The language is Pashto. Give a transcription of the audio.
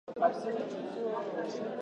ملالۍ تر نورو نجونو ښکلې وه.